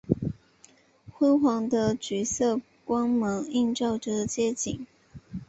昏黄的橘色光芒映照着街景